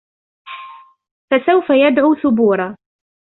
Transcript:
فَسَوْفَ يَدْعُو ثُبُورًا